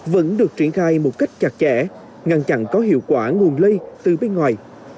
vẫn được triển khai một cách chặt chẽ ngăn chặn có hiệu quả nguồn lây từ bên ngoài